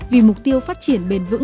vì mục tiêu phát triển bền vững